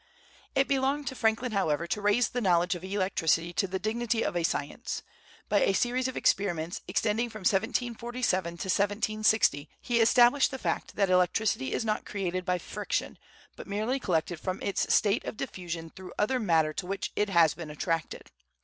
It belonged to Franklin, however, to raise the knowledge of electricity to the dignity of a science. By a series of experiments, extending from 1747 to 1760, he established the fact that electricity is not created by friction, but merely collected from its state of diffusion through other matter to which it has been attracted.